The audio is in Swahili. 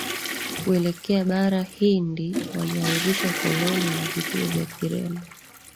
Kuelekea bara hindi walianzisha koloni na vituo vya Kireno